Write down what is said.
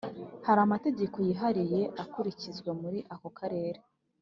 hari amategeko yihariye akurikizwa muri ako karere